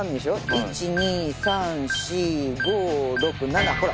１２３４５６７ほら。